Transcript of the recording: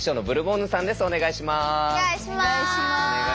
お願いします。